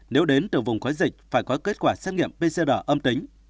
nếu đến từ vùng có dịch phải có kết quả xét nghiệm pcr âm tính